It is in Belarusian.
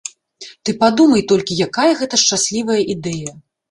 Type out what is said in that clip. Ты падумай толькі, якая гэта шчаслівая ідэя!